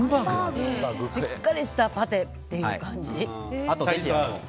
しっかりとしたパテという感じ。